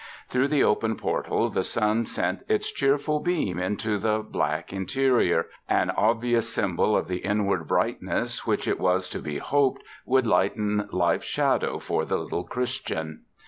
Through the open portal the sun sent its cheerful beam into the black interior — an obvious symbol of the inward brightness which, it was to be hoped, would lighten life's shadows for the little Christian.